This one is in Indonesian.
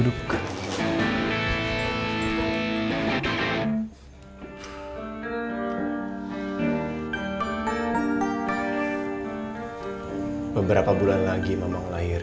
lu kayak monster